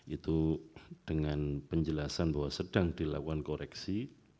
itu dengan penjelasan bahwa sedang dilakukan koreksi